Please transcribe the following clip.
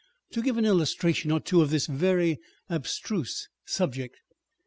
â€" To give an illustration or two of this very abstruse subject.